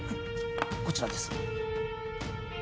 こちらです。